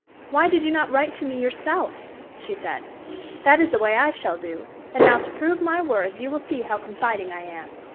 "Why did you not write to me yourself?" she said—"that is the way I shall do, and now to prove my words, you will see how confiding I am."